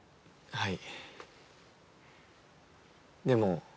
はい。